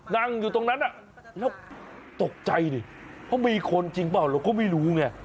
นั่งอยู่ตรงนั้นเราก็ตกใจดิมีคนจริงบ้างเราก็ไม่รู้ไง